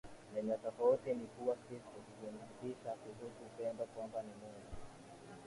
lenye tofauti ni kuwa Kristo hufundisha kuhusu Upendo kwamba ni Mungu